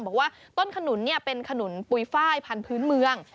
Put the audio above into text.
บอกว่าต้นขนุนเป็นขนุนปุ๋ยไฟล์พันธุ์เมือง